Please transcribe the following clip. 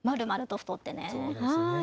そうですね。